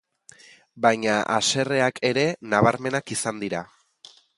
Baina haserreak ere bnabarmenak izan dira.